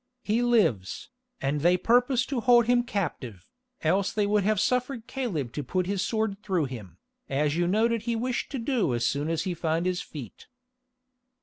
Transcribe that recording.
He lives, and they purpose to hold him captive, else they would have suffered Caleb to put his sword through him, as you noted he wished to do so soon as he found his feet."